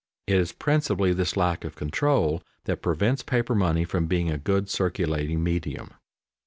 It is principally this lack of control that prevents paper money from being a good circulating medium.